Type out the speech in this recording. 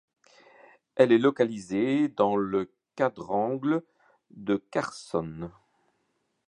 Elle est localisée dans le quadrangle de Carson.